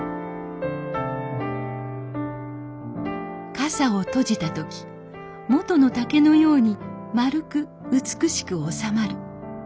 傘を閉じた時もとの竹のように丸く美しく収まる。